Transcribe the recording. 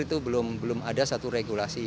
itu belum ada satu regulasi